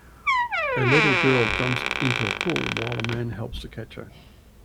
A little girl jumps into a pool while a man helps to catch her.